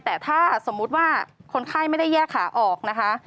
แต่ถ้าสมมุติว่าคนไข้ไม่ได้แยกขาออกนะคะ